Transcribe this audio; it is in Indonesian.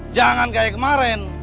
jangan kayak kemarin